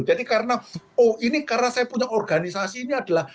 jadi karena oh ini karena saya punya organisasi ini adalah